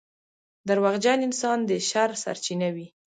• دروغجن انسان د شر سرچینه وي.